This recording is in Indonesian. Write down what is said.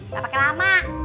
gak pake lama